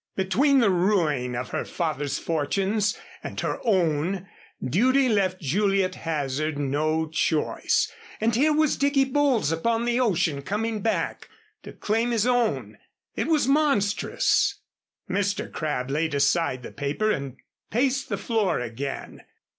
Between the ruin of her father's fortunes and her own, duty left Juliet Hazard no choice. And here was Dicky Bowles upon the ocean coming back to claim his own. It was monstrous. Mr. Crabb laid aside the paper and paced the floor again.